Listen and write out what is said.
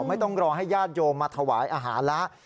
ไม่ต้องรอให้ญาติโยมมาถวายอาหารแล้ว